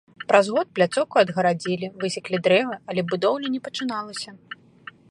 Праз год пляцоўку агарадзілі, высеклі дрэвы, але будоўля не пачыналася.